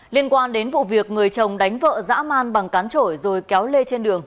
liên quan đến vụ việc người chồng đánh vợ dã man bằng cán trỗi rồi kéo lê trên đường